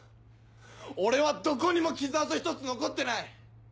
俺はどこにも傷痕ひとつ残ってない！